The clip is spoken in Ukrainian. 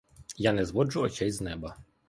Я не зводжу очей з неба.